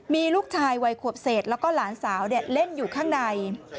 มีลูกชายวัยขวบเศษแล้วก็หลานสาวเล่นอยู่ข้างใน